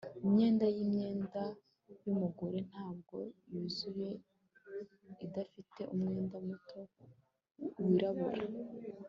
Imyenda yimyenda yumugore ntabwo yuzuye idafite umwenda muto wirabura